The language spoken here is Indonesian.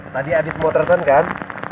tadi abis motretan kan